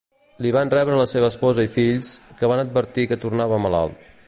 Li van rebre la seva esposa i fills, que van advertir que tornava malalt.